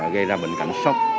gây ra bệnh cảnh sốc